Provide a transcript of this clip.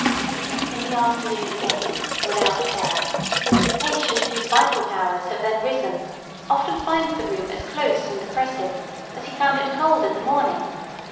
In the afternoon again, without care, the patient whose vital powers have then risen often finds the room as close and oppressive as he found it cold in the morning.